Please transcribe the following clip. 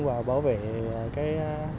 và bảo vệ cái